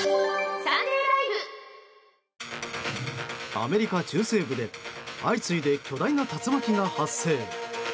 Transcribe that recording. アメリカ中西部で相次いで巨大な竜巻が発生。